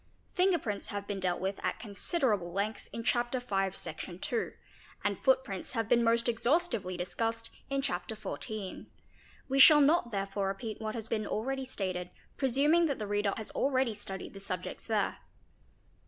Finger prints have been dealt with at considerable length in Chapter V., Section 11. and footprints have been most exhaustively discussed in Chapter XIV.; we shall not therefore repeat what has been already stated, presuming that the reader has already studied the subjects there.